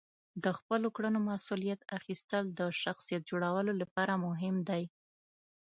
د خپلو کړنو مسئولیت اخیستل د شخصیت جوړولو لپاره مهم دي.